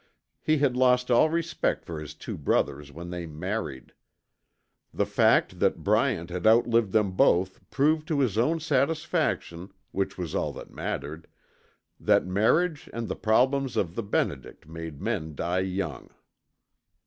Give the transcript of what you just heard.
He had lost all respect for his two brothers when they married. The fact that Bryant had outlived them both proved to his own satisfaction, which was all that mattered, that marriage and the problems of the benedict make men die young.